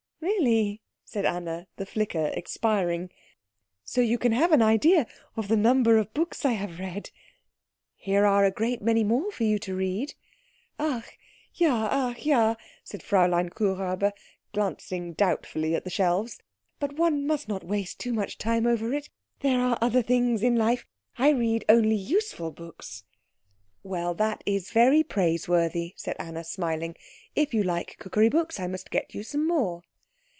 "Really?" said Anna, the flicker expiring. "So you can have an idea of the number of books I have read." "Here are a great many more for you to read." "Ach ja, ach ja," said Fräulein Kuhräuber, glancing doubtfully at the shelves; "but one must not waste too much time over it there are other things in life. I read only useful books." "Well, that is very praiseworthy," said Anna, smiling. "If you like cookery books, I must get you some more."